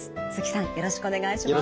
よろしくお願いします。